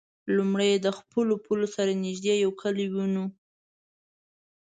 لومړی یې د خپلو پولو سره نژدې یو کلی ونیو.